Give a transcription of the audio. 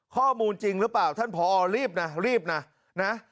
ข้อมูลจริงหรือเปล่าท่านผอรีบนะรีบนะนะ